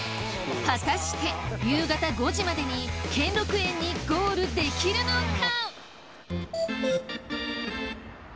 果たして夕方５時までに兼六園にゴールできるのか？